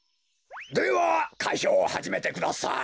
ではかいひょうをはじめてください。